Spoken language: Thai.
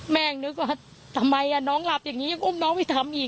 แม่ยังนึกว่าทำไมน้องหลับอย่างนี้ยังอุ้มน้องไปทำอีก